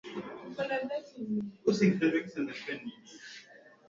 Wahindi kazi ya kuuza mkanda nchi nzima Baada ya Mac Muga kufanikiwa kusambaza